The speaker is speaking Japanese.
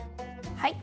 はい。